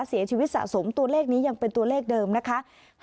เสียชีวิตสะสมตัวเลขนี้ยังเป็นตัวเลขเดิมนะคะ